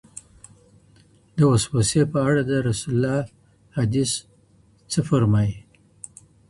د وسوسې په اړه د رسول الله حديث څه فرمايي؟